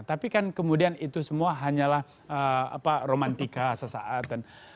tapi kan kemudian itu semua hanyalah romantika sesaat